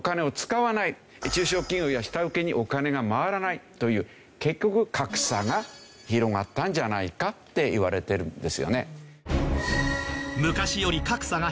中小企業や下請にお金が回らないという結局格差が広がったんじゃないかっていわれてるんですよね。